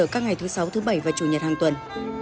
các ngày thứ sáu thứ bảy và chủ nhật hàng tuần